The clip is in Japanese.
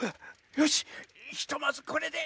よしひとまずこれで。